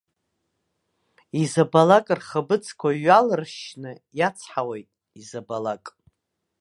Изабалак рхаԥыцқәа ҩалыршьшьны иацҳауеит, изабалак.